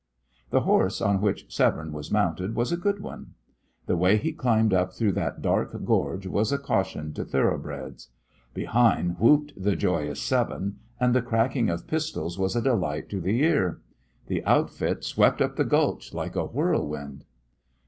The horse on which Severne was mounted was a good one. The way he climbed up through that dark gorge was a caution to thoroughbreds. Behind whooped the joyous seven, and the cracking of pistols was a delight to the ear. The outfit swept up the gulch like a whirlwind.